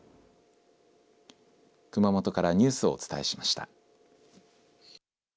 熊本からニュースをお伝えしました。